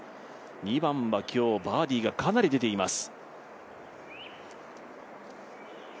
２番は今日、バーディーがかなり出ています。